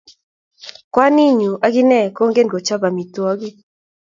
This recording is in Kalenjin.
Kwaninyu akine kongen kochop amitwogik